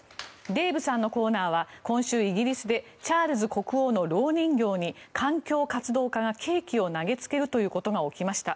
デーブさんのコーナーは今週、イギリスでチャールズ国王のろう人形に環境活動家がケーキを投げつけるということが起きました。